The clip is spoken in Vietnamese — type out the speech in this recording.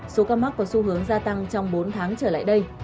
số ca mắc có xu hướng gia tăng trong bốn tháng trở lại đây